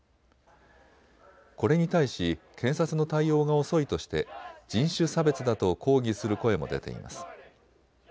これに対し検察の対応が遅いとして人種差別だと抗議する声も出ています。